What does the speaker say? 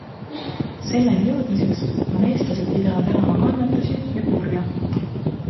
Selleni jõudmiseks on eestlased pidanud elama kannatusi ja kurja.